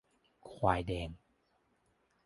ควายแดง